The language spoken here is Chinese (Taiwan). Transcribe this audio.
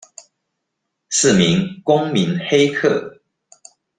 四名公民黑客